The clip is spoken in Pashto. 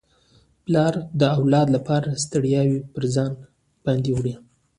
پلار د اولاد لپاره ستړياوي پر ځان باندي وړي.